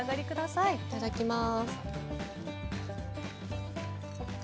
いただきます。